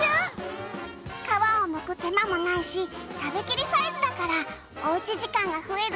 皮をむく手間もないし食べ切りサイズだからおうち時間が増える